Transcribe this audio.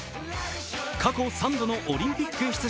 過去３度のオリンピック出場。